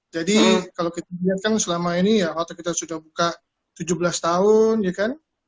jadi kalau kita lihat kan selama ini ya hotel kita sudah buka tujuh belas tahun ya kan